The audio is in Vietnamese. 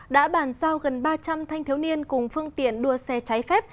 đã bàn giao gần ba trăm linh thanh thiếu niên cùng phương tiện đua xe trái phép